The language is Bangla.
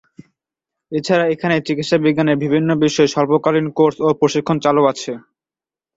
এছাড়া এখানে চিকিৎসাবিজ্ঞানের বিভিন্ন বিষয়ে স্বল্পকালীন কোর্স ও প্রশিক্ষন চালু আছে।